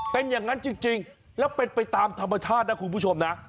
เป็นอย่างนั้นจริงแล้วเป็นไปตามธรรมชาตินะคุณผู้ชมนะ